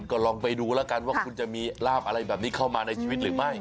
ก็ลองไปดูแล้วกันว่าคุณจะมีลาบอะไรแบบนี้เข้ามาในชีวิตหรือไม่